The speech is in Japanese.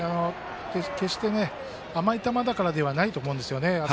決して、甘い球だからではないと思うんですよね。